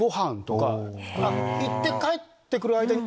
行って帰ってくる間に。